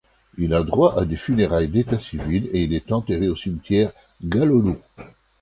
Il a droit à des funérailles d'État et il est enterré au cimetière Galolhu.